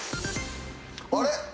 あれ？